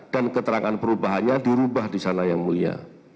dan keterangan perubahannya dirubah disana ya mulia